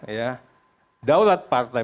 ya daulat partai